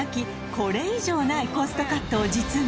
これ以上ないコストカットを実現